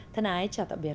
thân ái chào tạm biệt